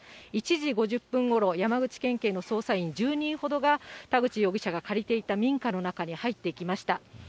１時５０分ごろ、山口県警の捜査員１０人ほどが、田口容疑者が借りていた民家の中に入っていきました。